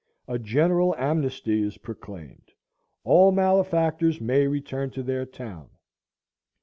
A general amnesty is proclaimed; all malefactors may return to their town.